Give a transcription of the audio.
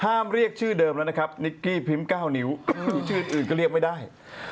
เรียกชื่อเดิมแล้วนะครับนิกกี้พิมพ์๙นิ้วชื่ออื่นก็เรียกไม่ได้